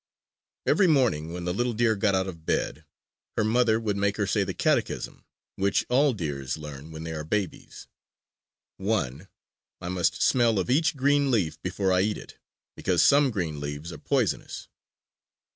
Every morning when the little deer got up out of bed, her mother would make her say the catechism which all deers learn when they are babies: I. I must smell of each green leaf before I eat it; because some green leaves are poisonous.